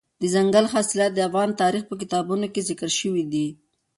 دځنګل حاصلات د افغان تاریخ په کتابونو کې ذکر شوي دي.